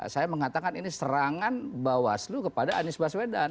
saya mengatakan ini serangan bawaslu kepada andi sbaswedan